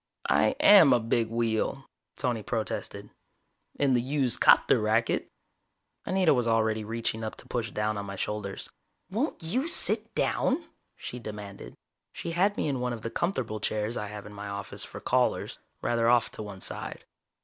"I am a big wheel," Tony protested. "In the used 'copter racket." Anita was already reaching up to push down on my shoulders. "Won't you sit down?" she demanded. She had me in one of the comfortable chairs I have in my office for callers, rather off to one side.